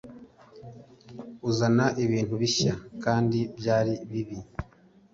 Uzana ibintu bishya; kandi byari bibi